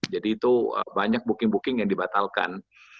jadi itu banyak booking booking yang dibatalkan